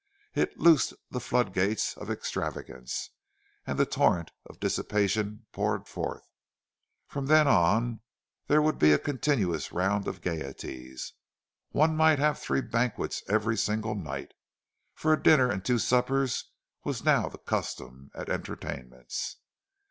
It loosed the floodgates of extravagance, and the torrent of dissipation poured forth. From then on there would be a continuous round of gaieties; one might have three banquets every single night—for a dinner and two suppers was now the custom, at entertainments!